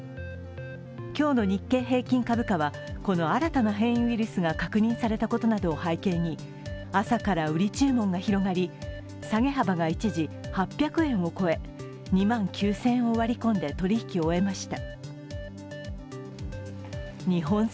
今日の日経平均株価はこの新たな変異ウイルスが確認されたことなどを背景に朝から売り注文が広がり下げ幅が一時８００円を超え２万９０００円を割り込んで取引きを終えました。